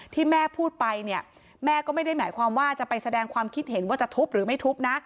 ที่แม่พูดไปเนี่ยแม่ก็ไม่ได้หมายความว่าจะไปแสดงความคิดเห็นว่าจะทุบหรือไม่ทุบนะ